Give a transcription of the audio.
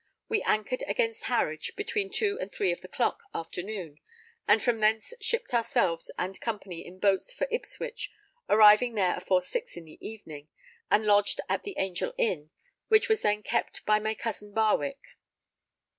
We anchored against Harwich, between two and three of the clock, afternoon, and from thence shipped ourselves and company in boats for Ipswich, arriving there afore 6 in the evening, and lodged at the Angel Inn, which was then kept by my cousin Barwick.